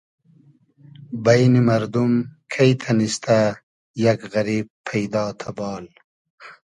بݷنی مئردوم کݷ تئنیستۂ یئگ غئریب پݷدا تئبال